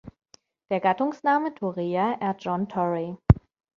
Der Gattungsname "Torreya" ehrt John Torrey.